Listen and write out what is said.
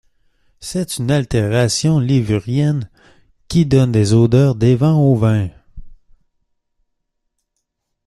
C'est une altération levurienne, qui donne des odeurs d'évent au vin.